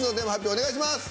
お願いします。